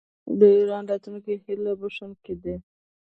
د ایران راتلونکی هیله بښونکی دی.